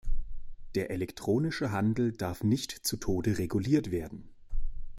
Der elektronische Handel darf nicht zu Tode reguliert werden.